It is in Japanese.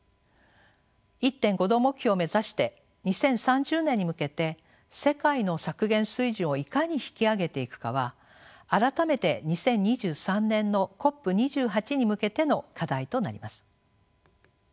１．５℃目標を目指して２０３０年に向けて世界の削減水準をいかに引き上げていくかは改めて２０２３年のＣＯＰ２８に向けての課題となります。